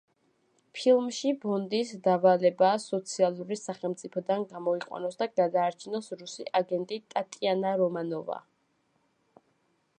ფილმში ბონდის დავალებაა, სოციალური სახელმწიფოდან გამოიყვანოს და გადაარჩინოს რუსი აგენტი ტატიანა რომანოვა.